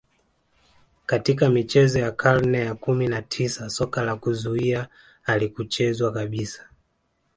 Katika michezo ya karne ya kumi na tisa soka la kuzuia halikuchezwa kabisa